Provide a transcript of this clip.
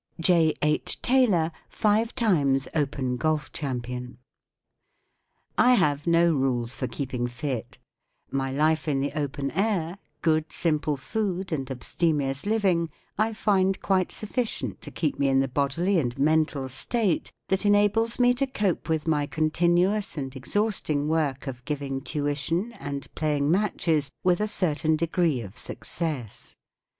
____ J. H. TAYLOR. Five times Open Golf Champion, I have no rules for keeping fit. My life in the open air, good, simple food, and ab¬ stemious living I find quite sufficient to keep me in the bodily and mental state that en¬ ables me to cope with my continuous and exhausting work of giving tuition and playing matches with a certain degree of success.